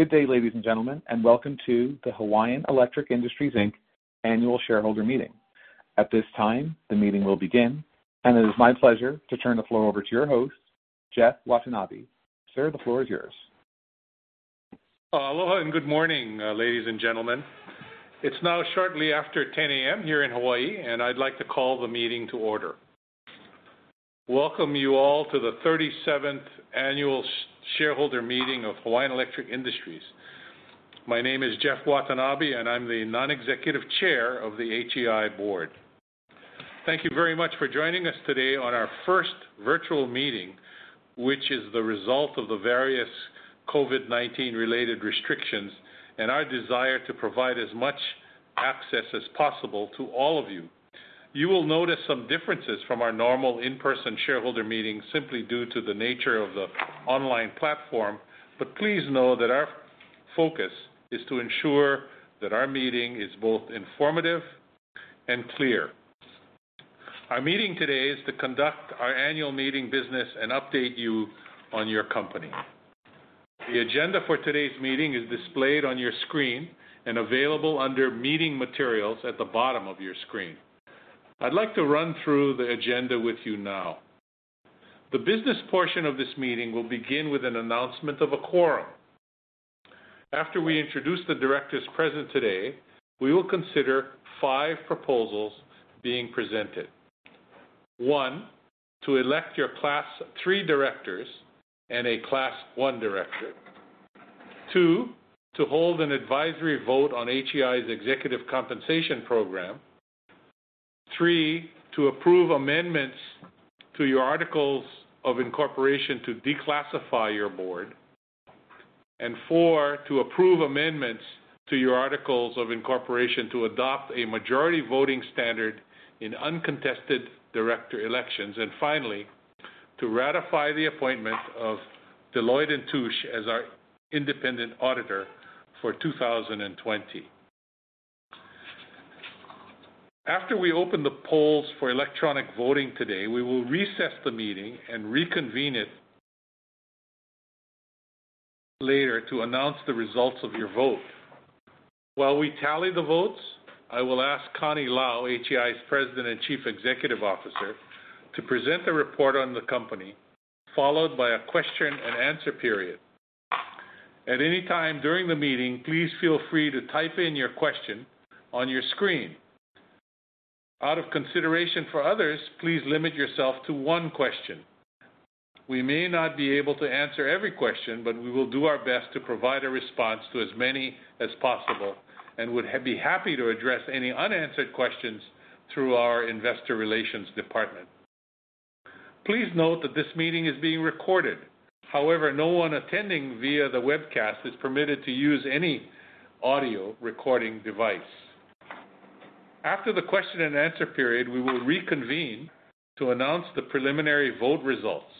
Good day, ladies and gentlemen, and welcome to the Hawaiian Electric Industries Inc. annual shareholder meeting. At this time, the meeting will begin, and it is my pleasure to turn the floor over to your host, Jeff Watanabe. Sir, the floor is yours. Aloha and good morning, ladies and gentlemen. It's now shortly after 10:00 A.M. here in Hawaii, and I'd like to call the meeting to order. Welcome you all to the 37th annual shareholder meeting of Hawaiian Electric Industries. My name is Jeff Watanabe, and I'm the non-executive chair of the HEI board. Thank you very much for joining us today on our first virtual meeting, which is the result of the various COVID-19 related restrictions and our desire to provide as much access as possible to all of you. You will notice some differences from our normal in-person shareholder meeting simply due to the nature of the online platform, but please know that our focus is to ensure that our meeting is both informative and clear. Our meeting today is to conduct our annual meeting business and update you on your company. The agenda for today's meeting is displayed on your screen and available under Meeting Materials at the bottom of your screen. I'd like to run through the agenda with you now. The business portion of this meeting will begin with an announcement of a quorum. After we introduce the directors present today, we will consider five proposals being presented. One, to elect your Class III directors and a Class I director. Two, to hold an advisory vote on HEI's executive compensation program. Three, to approve amendments to your articles of incorporation to declassify your board. Four, to approve amendments to your articles of incorporation to adopt a majority voting standard in uncontested director elections. Finally, to ratify the appointment of Deloitte & Touche as our independent auditor for 2020. After we open the polls for electronic voting today, we will recess the meeting and reconvene it later to announce the results of your vote. While we tally the votes, I will ask Connie Lau, HEI's President and Chief Executive Officer, to present a report on the company, followed by a question and answer period. At any time during the meeting, please feel free to type in your question on your screen. Out of consideration for others, please limit yourself to one question. We may not be able to answer every question, but we will do our best to provide a response to as many as possible and would be happy to address any unanswered questions through our investor relations department. Please note that this meeting is being recorded. However, no one attending via the webcast is permitted to use any audio recording device. After the question and answer period, we will reconvene to announce the preliminary vote results.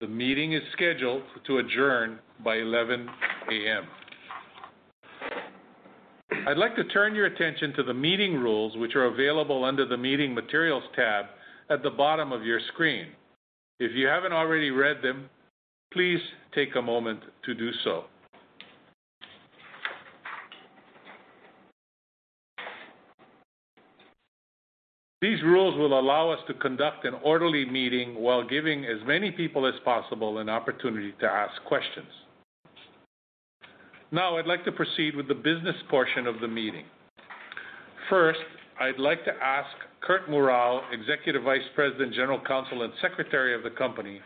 The meeting is scheduled to adjourn by 11:00 A.M. I'd like to turn your attention to the meeting rules, which are available under the Meeting Materials tab at the bottom of your screen. If you haven't already read them, please take a moment to do so. These rules will allow us to conduct an orderly meeting while giving as many people as possible an opportunity to ask questions. Now, I'd like to proceed with the business portion of the meeting. First, I'd like to ask Kurt Murao, Executive Vice President, General Counsel, and Secretary of the company,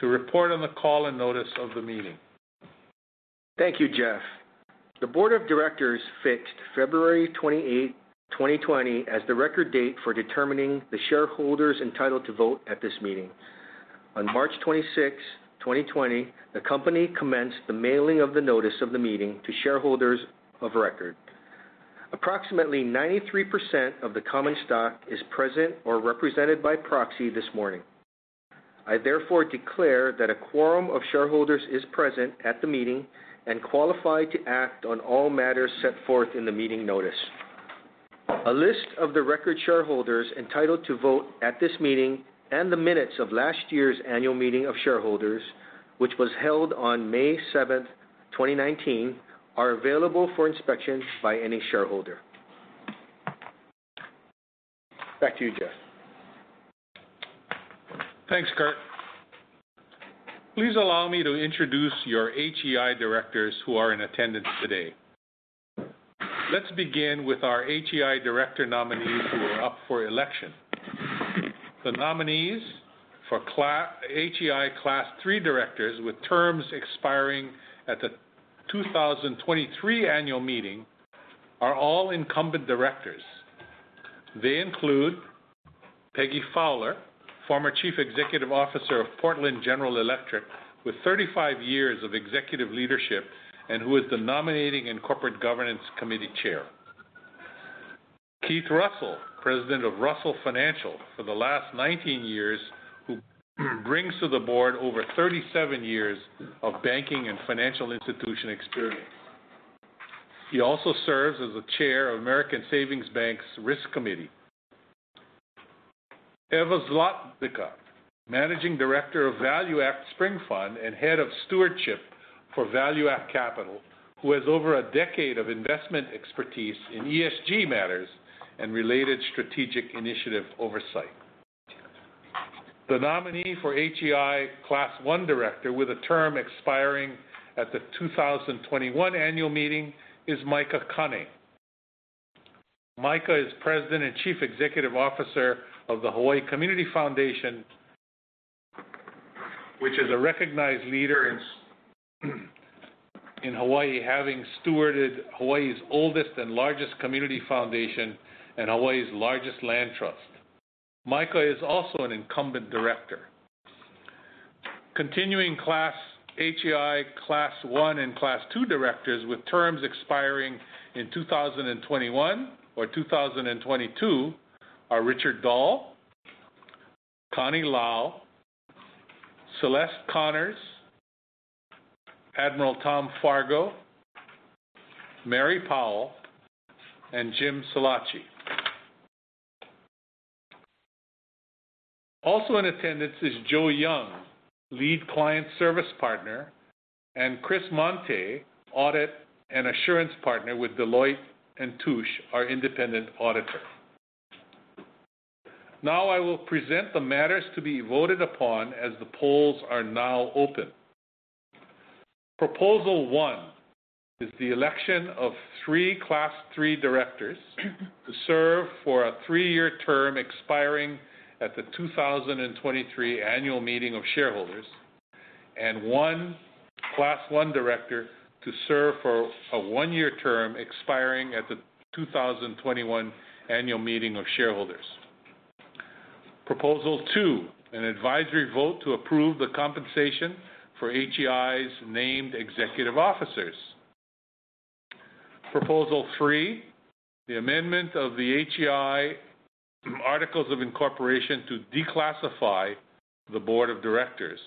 to report on the call and notice of the meeting. Thank you, Jeff Watanabe. The Board of Directors fixed February 28, 2020, as the record date for determining the shareholders entitled to vote at this meeting. On March 26, 2020, the company commenced the mailing of the notice of the meeting to shareholders of record. Approximately 93% of the common stock is present or represented by proxy this morning. I, therefore, declare that a quorum of shareholders is present at the meeting and qualified to act on all matters set forth in the meeting notice. A list of the record shareholders entitled to vote at this meeting and the minutes of last year's annual meeting of shareholders, which was held on May 7th, 2019, are available for inspection by any shareholder. Back to you, Jeff Watanabe. Thanks, Kurt Murao. Please allow me to introduce your HEI directors who are in attendance today. Let's begin with our HEI director nominees who are up for election. The nominees for HEI Class III directors with terms expiring at the 2023 annual meeting are all incumbent directors. They include Peggy Fowler, former Chief Executive Officer of Portland General Electric, with 35 years of executive leadership and who is the nominating and corporate governance committee chair. Keith Russell, President of Russell Financial for the last 19 years, who brings to the board over 37 years of banking and financial institution experience. He also serves as the chair of American Savings Bank's risk committee. Eva Zlotnicka, Managing Director of ValueAct Spring Fund and Head of Stewardship for ValueAct Capital, who has over a decade of investment expertise in ESG matters and related strategic initiative oversight. The nominee for HEI Class I Director with a term expiring at the 2021 annual meeting is Micah Kane. Micah Kane is President and Chief Executive Officer of the Hawaii Community Foundation, which is a recognized leader in Hawaii, having stewarded Hawaii's oldest and largest community foundation and Hawaii's largest land trust. Micah Kane is also an incumbent director. Continuing HEI Class I and Class II directors with terms expiring in 2021 or 2022 are Richard Dahl, Connie Lau, Celeste Connors, Admiral Tom Fargo, Mary Powell, and Jim Scilacci. Also in attendance is Joe Young, Lead Client Service Partner, and Chris Monte, Audit and Assurance Partner with Deloitte & Touche, our independent auditor. Now, I will present the matters to be voted upon as the polls are now open. Proposal one is the election of three Class III directors to serve for a three-year term expiring at the 2023 annual meeting of shareholders, and one Class I director to serve for a one-year term expiring at the 2021 annual meeting of shareholders. Proposal two, an advisory vote to approve the compensation for HEI's named executive officers. Proposal three, the amendment of the HEI articles of incorporation to declassify the board of directors.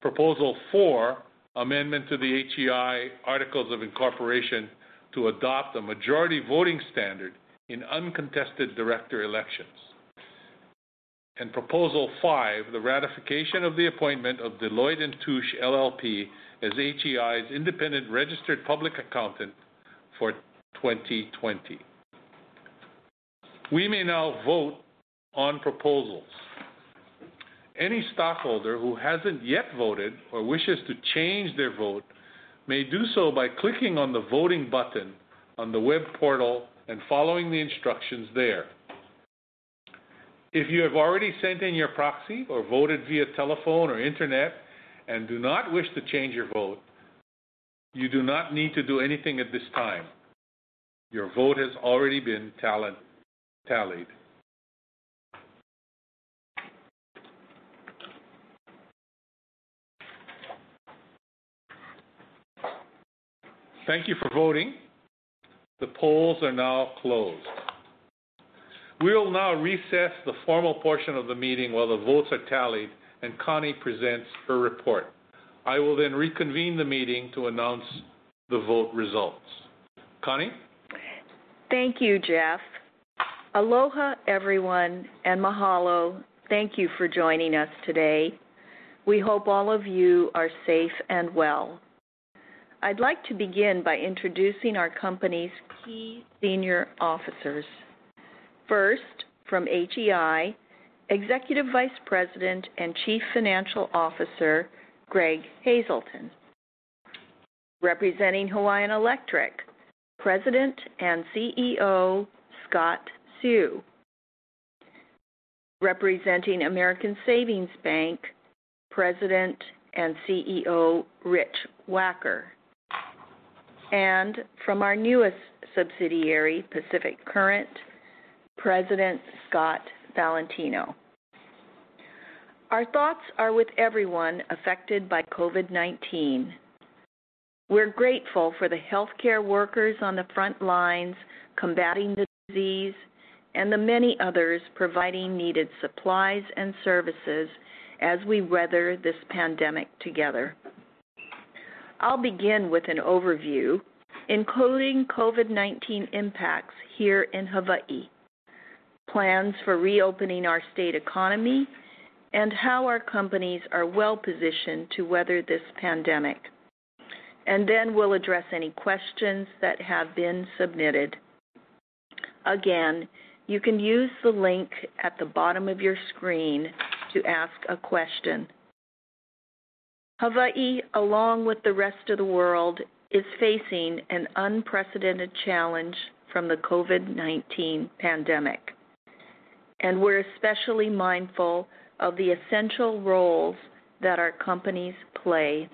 Proposal four, amendment to the HEI articles of incorporation to adopt a majority voting standard in uncontested director elections. Proposal five, the ratification of the appointment of Deloitte & Touche LLP as HEI's independent registered public accountant for 2020. We may now vote on proposals. Any stockholder who hasn't yet voted or wishes to change their vote may do so by clicking on the voting button on the web portal and following the instructions there. If you have already sent in your proxy or voted via telephone or internet and do not wish to change your vote, you do not need to do anything at this time. Your vote has already been tallied. Thank you for voting. The polls are now closed. We will now recess the formal portion of the meeting while the votes are tallied and Connie Lau presents her report. I will then reconvene the meeting to announce the vote results. Connie Lau? Thank you, Jeff Watanabe. Aloha everyone, and mahalo. Thank you for joining us today. We hope all of you are safe and well. I'd like to begin by introducing our company's key senior officers. First, from HEI, Executive Vice President and Chief Financial Officer, Greg Hazelton. Representing Hawaiian Electric, President and CEO, Scott Seu. Representing American Savings Bank, President and CEO, Rich Wacker. From our newest subsidiary, Pacific Current, President Scott Valentino. Our thoughts are with everyone affected by COVID-19. We're grateful for the healthcare workers on the front lines combating the disease, and the many others providing needed supplies and services as we weather this pandemic together. I'll begin with an overview, including COVID-19 impacts here in Hawaii, plans for reopening our state economy, and how our companies are well-positioned to weather this pandemic. Then, we'll address any questions that have been submitted. Again, you can use the link at the bottom of your screen to ask a question. Hawaii, along with the rest of the world, is facing an unprecedented challenge from the COVID-19 pandemic. We're especially mindful of the essential roles that our companies play.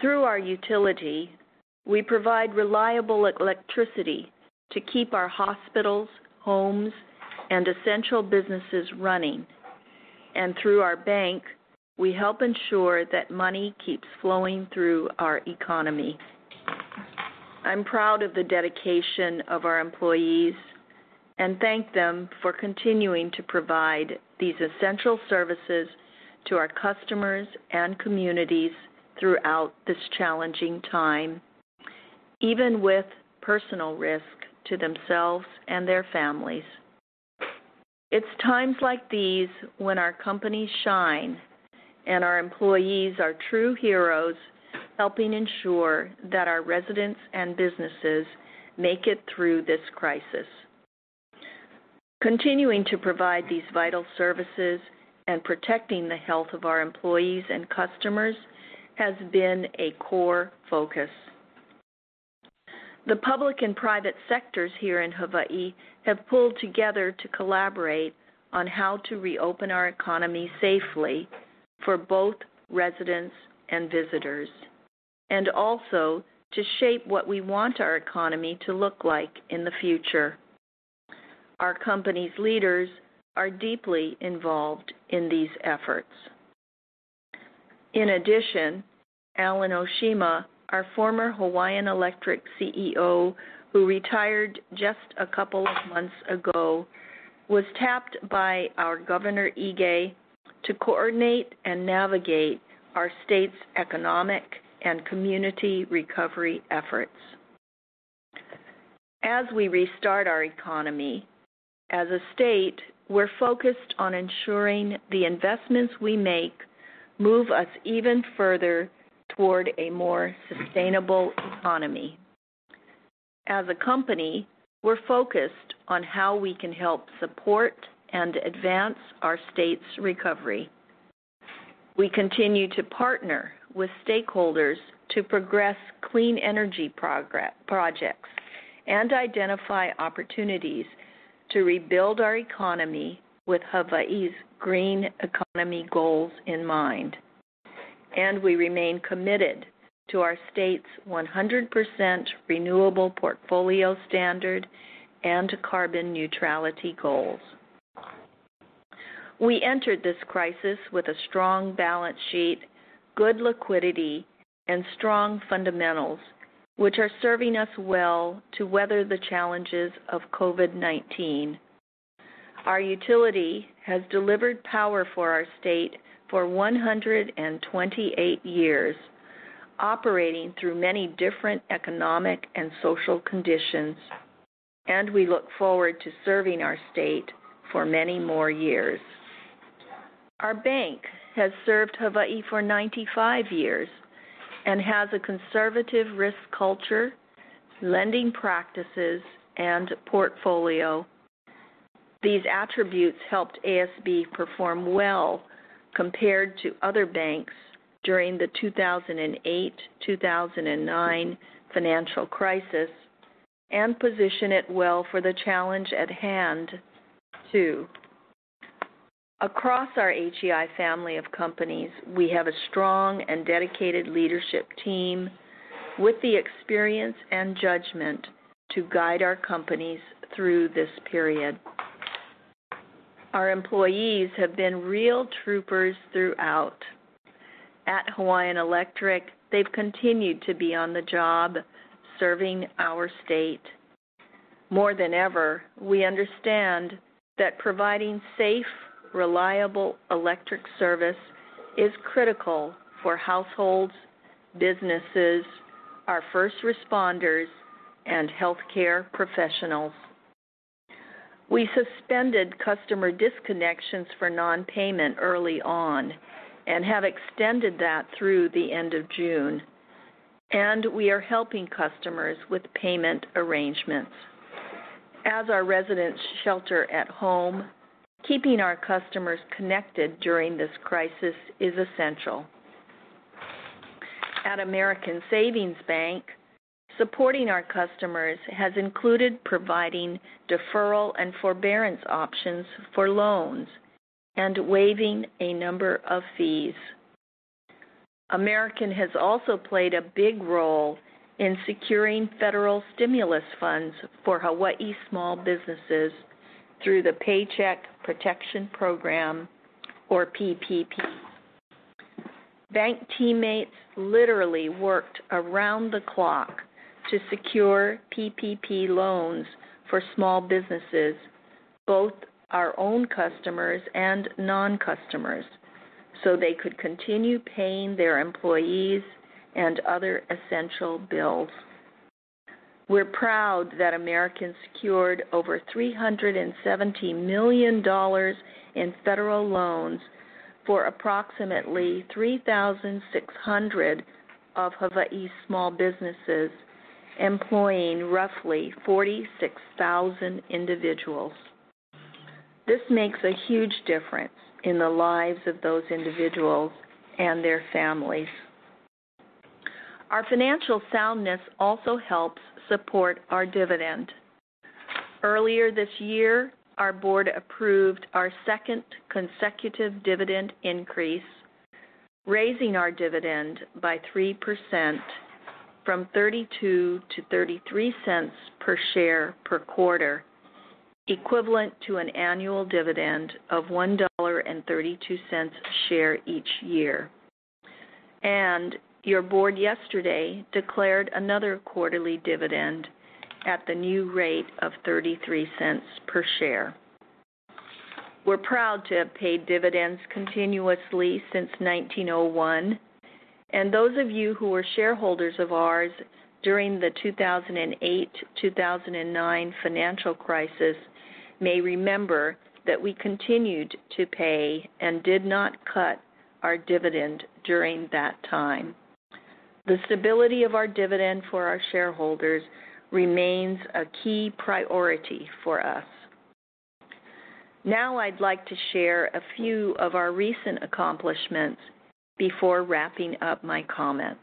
Through our utility, we provide reliable electricity to keep our hospitals, homes, and essential businesses running. Through our bank, we help ensure that money keeps flowing through our economy. I'm proud of the dedication of our employees and thank them for continuing to provide these essential services to our customers and communities throughout this challenging time, even with personal risk to themselves and their families. It's times like these when our companies shine, and our employees are true heroes, helping ensure that our residents and businesses make it through this crisis. Continuing to provide these vital services and protecting the health of our employees and customers has been a core focus. The public and private sectors here in Hawaii have pulled together to collaborate on how to reopen our economy safely for both residents and visitors, and also to shape what we want our economy to look like in the future. Our company's leaders are deeply involved in these efforts. In addition, Alan Oshima, our former Hawaiian Electric CEO, who retired just a couple of months ago, was tapped by our Governor Ige to coordinate and navigate our state's economic and community recovery efforts. As we restart our economy, as a state, we're focused on ensuring the investments we make move us even further toward a more sustainable economy. As a company, we're focused on how we can help support and advance our state's recovery. We continue to partner with stakeholders to progress clean energy projects, and identify opportunities to rebuild our economy with Hawaii's green economy goals in mind. We remain committed to our state's 100% renewable portfolio standard and carbon neutrality goals. We entered this crisis with a strong balance sheet, good liquidity, and strong fundamentals, which are serving us well to weather the challenges of COVID-19. Our utility has delivered power for our state for 128 years, operating through many different economic and social conditions, and we look forward to serving our state for many more years. Our bank has served Hawaii for 95 years and has a conservative risk culture, lending practices, and portfolio. These attributes helped ASB perform well compared to other banks during the 2008-2009 financial crisis, and position it well for the challenge at hand, too. Across our HEI family of companies, we have a strong and dedicated leadership team with the experience and judgment to guide our companies through this period. Our employees have been real troopers throughout. At Hawaiian Electric, they've continued to be on the job, serving our state. More than ever, we understand that providing safe, reliable electric service is critical for households, businesses, our first responders, and healthcare professionals. We suspended customer disconnections for non-payment early on and have extended that through the end of June, and we are helping customers with payment arrangements. As our residents shelter at home, keeping our customers connected during this crisis is essential. At American Savings Bank, supporting our customers has included providing deferral and forbearance options for loans and waiving a number of fees. American Savings Bank has also played a big role in securing federal stimulus funds for Hawaii small businesses through the Paycheck Protection Program, or PPP. Bank teammates literally worked around the clock to secure PPP loans for small businesses, both our own customers and non-customers, so they could continue paying their employees and other essential bills. We're proud that American Savings Bank secured over $370 million in federal loans for approximately 3,600 of Hawaii's small businesses, employing roughly 46,000 individuals. This makes a huge difference in the lives of those individuals and their families. Our financial soundness also helps support our dividend. Earlier this year, our board approved our second consecutive dividend increase, raising our dividend by 3% from $0.32 to $0.33 per share per quarter, equivalent to an annual dividend of $1.32 a share each year. Your board yesterday declared another quarterly dividend at the new rate of $0.33 per share. We're proud to have paid dividends continuously since 1901. Those of you who were shareholders of ours during the 2008-2009 financial crisis may remember that we continued to pay and did not cut our dividend during that time. The stability of our dividend for our shareholders remains a key priority for us. Now, I'd like to share a few of our recent accomplishments before wrapping up my comments.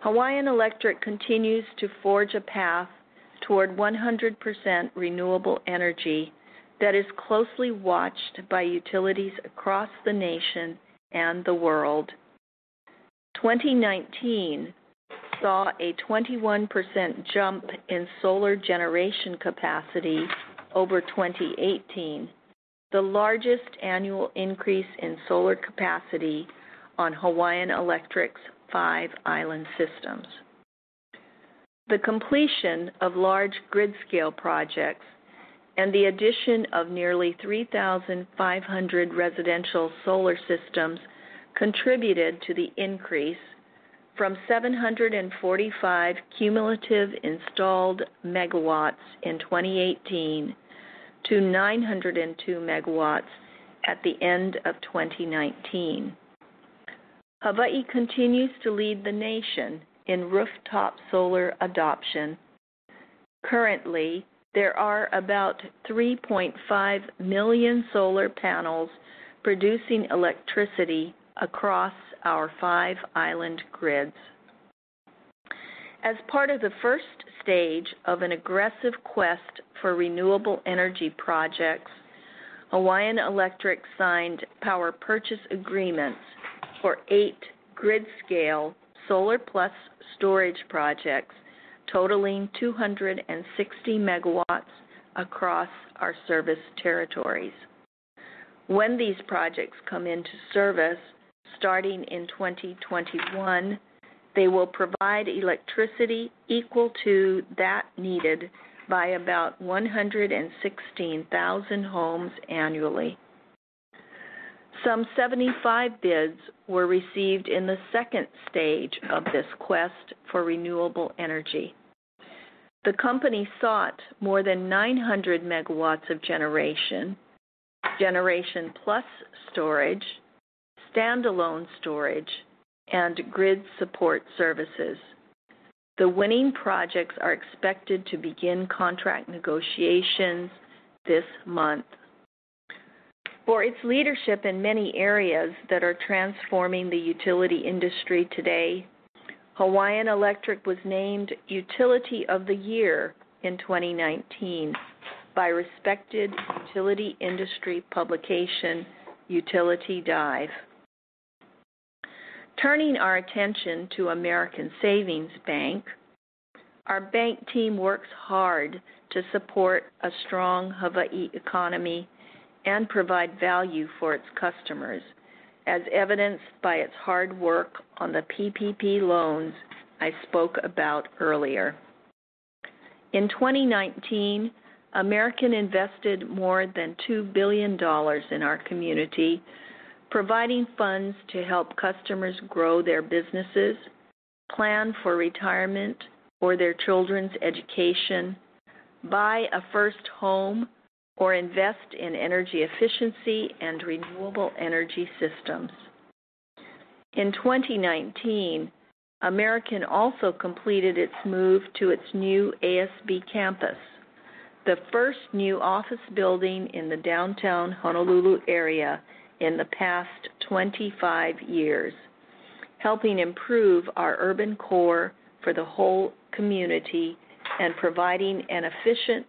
Hawaiian Electric continues to forge a path toward 100% renewable energy that is closely watched by utilities across the nation and the world. 2019 saw a 21% jump in solar generation capacity over 2018, the largest annual increase in solar capacity on Hawaiian Electric's five island systems. The completion of large grid-scale projects and the addition of nearly 3,500 residential solar systems contributed to the increase from 745 cumulative installed megawatts in 2018 to 902 MW at the end of 2019. Hawaii continues to lead the nation in rooftop solar adoption. Currently, there are about 3.5 million solar panels producing electricity across our five island grids. As part of the first stage of an aggressive quest for renewable energy projects, Hawaiian Electric signed power purchase agreements for eight grid-scale solar plus storage projects totaling 260 MW across our service territories. When these projects come into service, starting in 2021, they will provide electricity equal to that needed by about 116,000 homes annually. Some 75 bids were received in the second stage of this quest for renewable energy. The company sought more than 900 MW of generation plus storage, standalone storage, and grid support services. The winning projects are expected to begin contract negotiations this month. For its leadership in many areas that are transforming the utility industry today, Hawaiian Electric was named Utility of the Year in 2019 by respected utility industry publication, Utility Dive. Turning our attention to American Savings Bank, our bank team works hard to support a strong Hawaii economy and provide value for its customers, as evidenced by its hard work on the PPP loans I spoke about earlier. In 2019, American invested more than $2 billion in our community, providing funds to help customers grow their businesses, plan for retirement or their children's education, buy a first home, or invest in energy efficiency and renewable energy systems. In 2019, American also completed its move to its new ASB Campus, the first new office building in the downtown Honolulu area in the past 25 years, helping improve our urban core for the whole community and providing an efficient,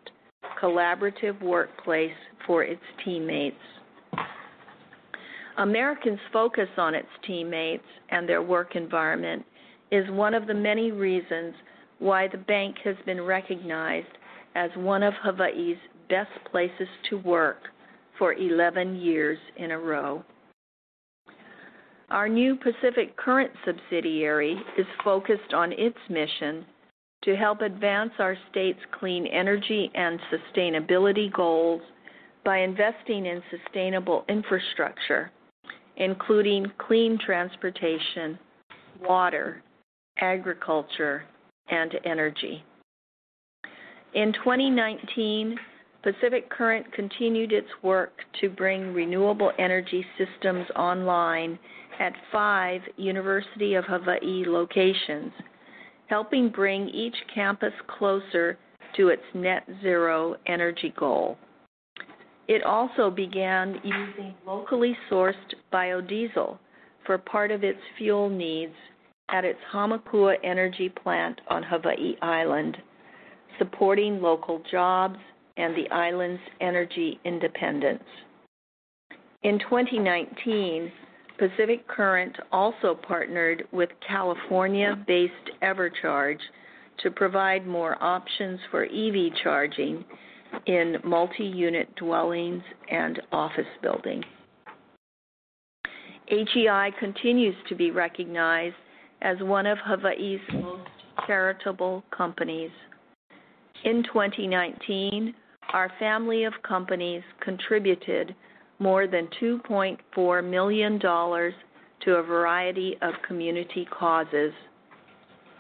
collaborative workplace for its teammates. American's focus on its teammates and their work environment is one of the many reasons why the bank has been recognized as one of Hawaii's best places to work for 11 years in a row. Our new Pacific Current subsidiary is focused on its mission to help advance our state's clean energy and sustainability goals by investing in sustainable infrastructure, including clean transportation, water, agriculture, and energy. In 2019, Pacific Current continued its work to bring renewable energy systems online at five University of Hawaii locations, helping bring each campus closer to its net-zero energy goal. It also began using locally sourced biodiesel for part of its fuel needs at its Hamakua Energy Plant on Hawaii Island, supporting local jobs and the island's energy independence. In 2019, Pacific Current also partnered with California-based EverCharge to provide more options for EV charging in multi-unit dwellings and office buildings. HEI continues to be recognized as one of Hawaii's most charitable companies. In 2019, our family of companies contributed more than $2.4 million to a variety of community causes,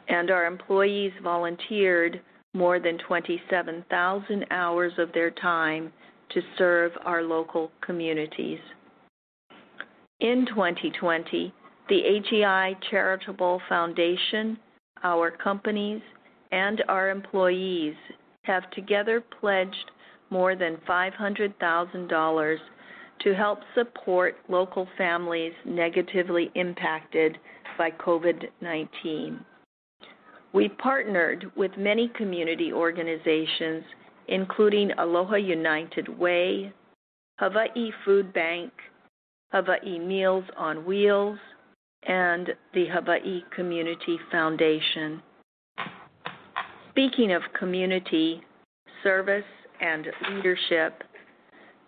and our employees volunteered more than 27,000 hours of their time to serve our local communities. In 2020, the HEI Charitable Foundation, our companies, and our employees have together pledged more than $500,000 to help support local families negatively impacted by COVID-19. We partnered with many community organizations, including Aloha United Way, Hawaii Foodbank, Hawaii Meals on Wheels, and the Hawaii Community Foundation. Speaking of community, service, and leadership,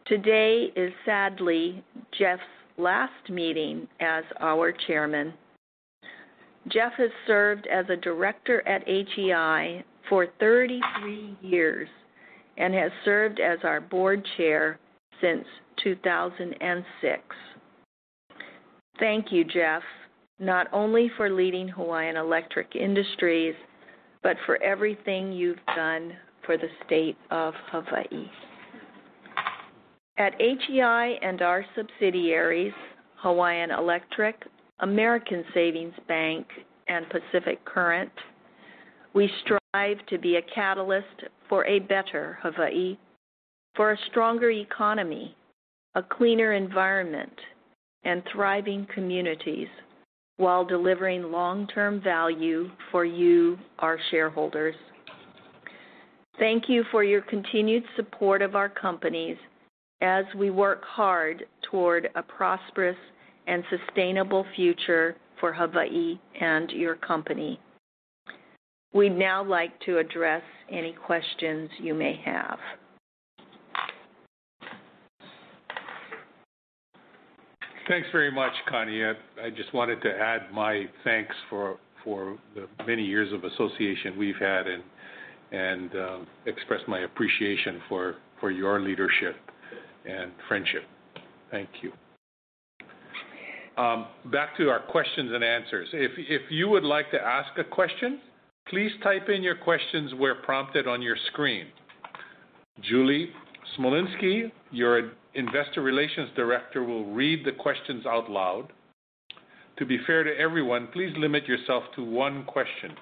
today is sadly Jeff Watanabe's last meeting as our chairman. Jeff Watanabe has served as a director at HEI for 33 years and has served as our board chair since 2006. Thank you, Jeff Watanabe, not only for leading Hawaiian Electric Industries, but for everything you've done for the state of Hawaii. At HEI and our subsidiaries, Hawaiian Electric, American Savings Bank, and Pacific Current, we strive to be a catalyst for a better Hawaii, for a stronger economy, a cleaner environment, and thriving communities while delivering long-term value for you, our shareholders. Thank you for your continued support of our companies as we work hard toward a prosperous and sustainable future for Hawaii and your company. We'd now like to address any questions you may have. Thanks very much, Connie Lau. I just wanted to add my thanks for the many years of association we've had and express my appreciation for your leadership and friendship. Thank you. Back to our questions and answers. If you would like to ask a question, please type in your questions where prompted on your screen. Julie Smolinski, your investor relations director, will read the questions out loud. To be fair to everyone, please limit yourself to one question.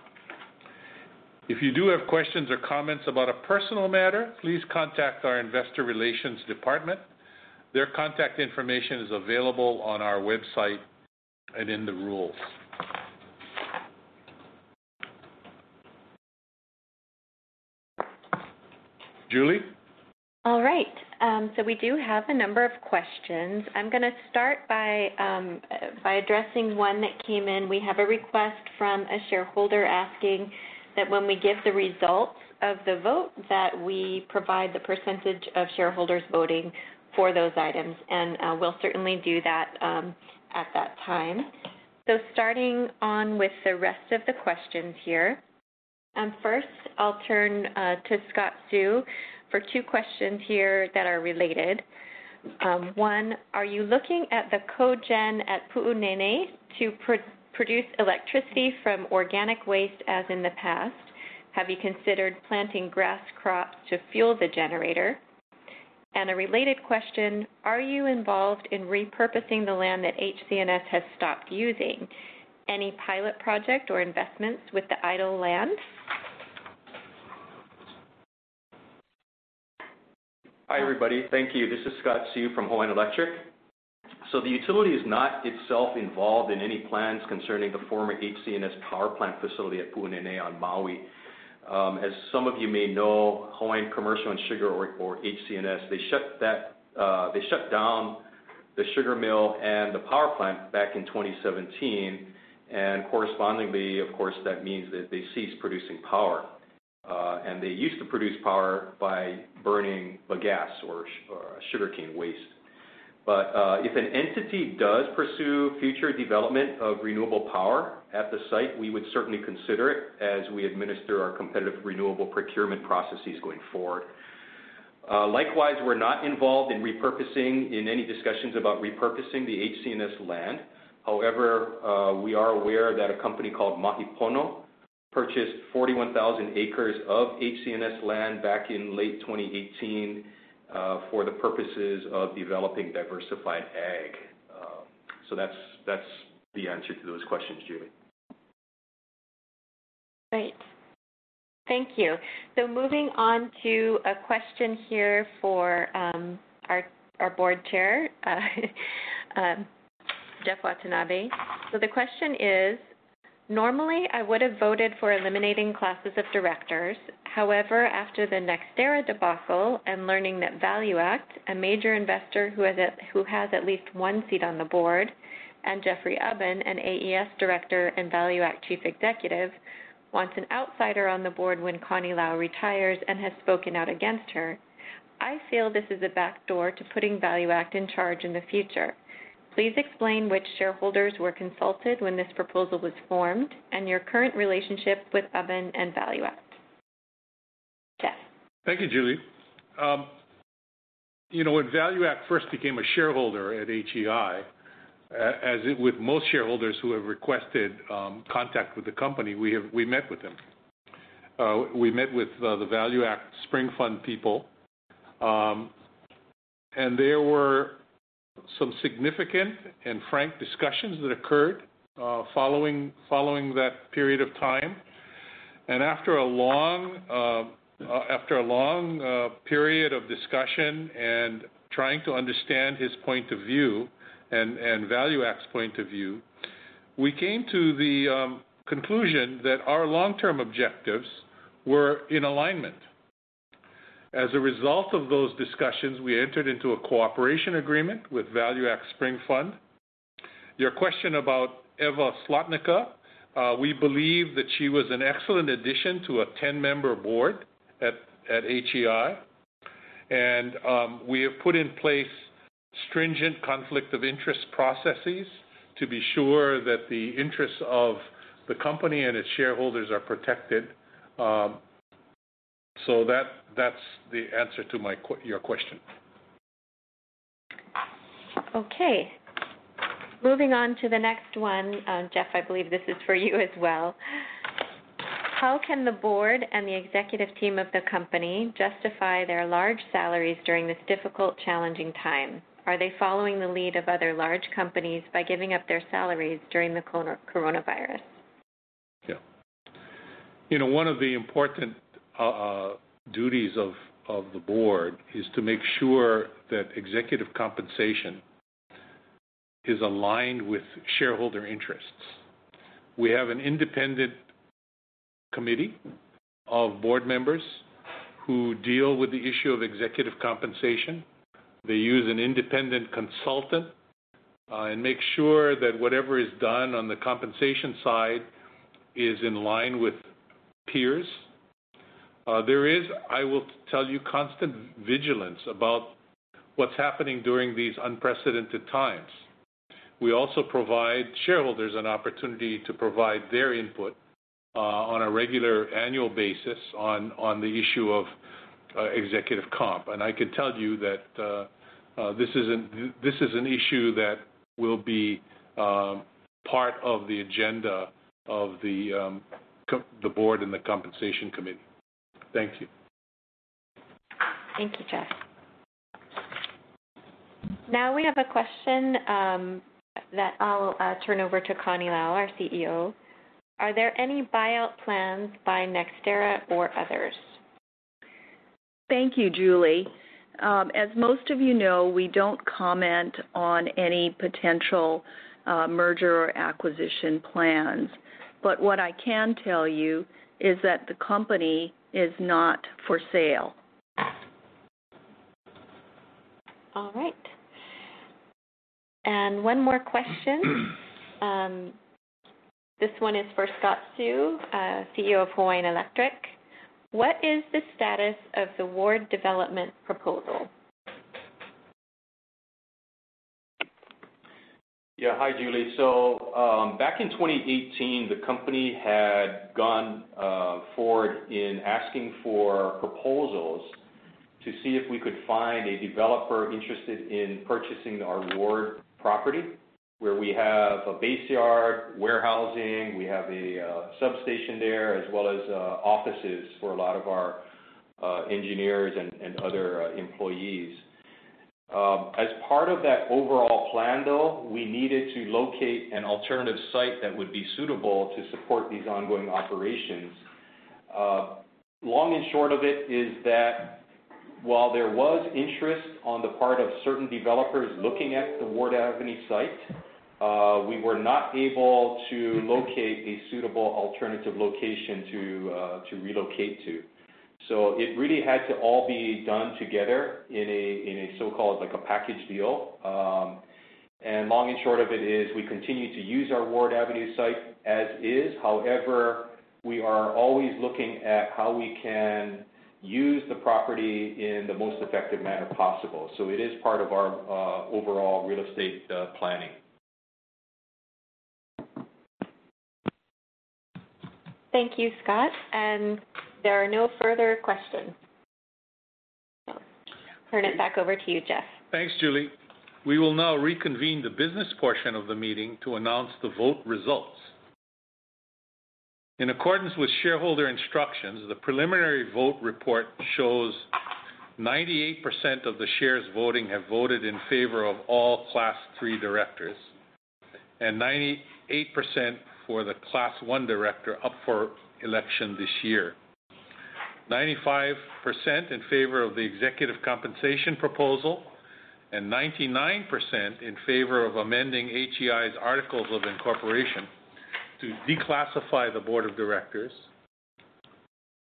If you do have questions or comments about a personal matter, please contact our investor relations department. Their contact information is available on our website and in the rules. Julie Smolinski? All right. We do have a number of questions. I'm going to start by addressing one that came in. We have a request from a shareholder asking that when we give the results of the vote, that we provide the percentage of shareholders voting for those items, and we'll certainly do that at that time. Starting on with the rest of the questions here. First, I'll turn to Scott Seu for two questions here that are related. One, are you looking at the cogen at Puunene to produce electricity from organic waste as in the past? Have you considered planting grass crops to fuel the generator? A related question, are you involved in repurposing the land that HC&S has stopped using? Any pilot project or investments with the idle land? Hi, everybody. Thank you. This is Scott Seu from Hawaiian Electric. The utility is not itself involved in any plans concerning the former HC&S power plant facility at Puunene on Maui. As some of you may know, Hawaiian Commercial & Sugar, or HC&S, they shut down the sugar mill and the power plant back in 2017. Correspondingly, of course, that means that they ceased producing power. They used to produce power by burning bagasse or sugarcane waste. If an entity does pursue future development of renewable power at the site, we would certainly consider it as we administer our competitive renewable procurement processes going forward. Likewise, we're not involved in any discussions about repurposing the HC&S land. However, we are aware that a company called Mahi Pono purchased 41,000 acres of HC&S land back in late 2018 for the purposes of developing diversified Ag. That's the answer to those questions, Julie. Great. Thank you. Moving on to a question here for our board chair, Jeff Watanabe. The question is, normally I would have voted for eliminating classes of directors. However, after the NextEra debacle and learning that ValueAct, a major investor who has at least one seat on the board, and Jeffrey Ubben, an AES director and ValueAct chief executive, wants an outsider on the board when Connie Lau retires and has spoken out against her. I feel this is a backdoor to putting ValueAct in charge in the future. Please explain which shareholders were consulted when this proposal was formed and your current relationship with Ubben and ValueAct. Jeff Watanabe? Thank you, Julie Smolinski. When ValueAct first became a shareholder at HEI, as with most shareholders who have requested contact with the company, we met with them. We met with the ValueAct Spring Fund people, and there were some significant and frank discussions that occurred following that period of time. After a long period of discussion and trying to understand his point of view and ValueAct's point of view, we came to the conclusion that our long-term objectives were in alignment. As a result of those discussions, we entered into a cooperation agreement with ValueAct Spring Fund. Your question about Eva Zlotnicka, we believe that she was an excellent addition to a 10-member board at HEI, and we have put in place stringent conflict of interest processes to be sure that the interests of the company and its shareholders are protected. That's the answer to your question. Okay. Moving on to the next one. Jeff Watanabe, I believe this is for you as well. How can the board and the executive team of the company justify their large salaries during this difficult, challenging time? Are they following the lead of other large companies by giving up their salaries during the coronavirus? Yeah. One of the important duties of the board is to make sure that executive compensation is aligned with shareholder interests. We have an independent committee of board members who deal with the issue of executive compensation. They use an independent consultant, make sure that whatever is done on the compensation side is in line with peers. There is, I will tell you, constant vigilance about what's happening during these unprecedented times. We also provide shareholders an opportunity to provide their input on a regular annual basis on the issue of executive comp and I can tell you that this is an issue that will be part of the agenda of the board and the compensation committee. Thank you. Thank you, Jeff Watanabe. Now, we have a question that I'll turn over to Connie Lau, our CEO. Are there any buyout plans by NextEra or others? Thank you, Julie Smolinski. As most of you know, we don't comment on any potential merger or acquisition plans, but what I can tell you is that the company is not for sale. All right. One more question. This one is for Scott Seu, CEO of Hawaiian Electric. What is the status of the Ward development proposal? Hi, Julie Smolinski. Back in 2018, the company had gone forward in asking for proposals to see if we could find a developer interested in purchasing our Ward property, where we have a base yard, warehousing, we have a substation there, as well as offices for a lot of our engineers and other employees. As part of that overall plan, though, we needed to locate an alternative site that would be suitable to support these ongoing operations. Long and short of it is that while there was interest on the part of certain developers looking at the Ward Avenue site, we were not able to locate a suitable alternative location to relocate to. It really had to all be done together in a so-called packaged deal. Long and short of it is we continue to use our Ward Avenue site as is. However, we are always looking at how we can use the property in the most effective manner possible. It is part of our overall real estate planning. Thank you, Scott Seu. There are no further questions. Turn it back over to you, Jeff Watanabe. Thanks, Julie Smolinski. We will now reconvene the business portion of the meeting to announce the vote results. In accordance with shareholder instructions, the preliminary vote report shows 98% of the shares voting have voted in favor of all class three directors, and 98% for the class one director up for election this year. 95% in favor of the executive compensation proposal, and 99% in favor of amending HEI's articles of incorporation to declassify the Board of Directors.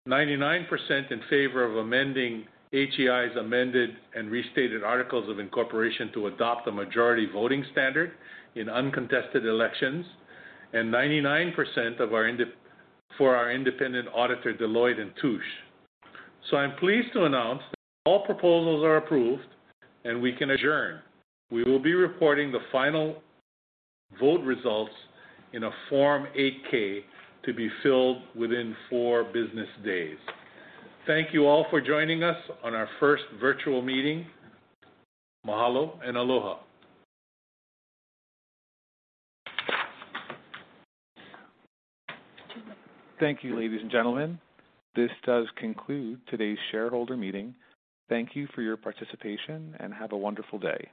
99% in favor of amending HEI's amended and restated articles of incorporation to adopt the majority voting standard in uncontested elections, and 99% for our independent auditor, Deloitte & Touche. I'm pleased to announce that all proposals are approved and we can adjourn. We will be reporting the final vote results in a Form 8-K to be filed within four business days. Thank you all for joining us on our first virtual meeting. Mahalo and aloha. Thank you, ladies and gentlemen. This does conclude today's shareholder meeting. Thank you for your participation, and have a wonderful day.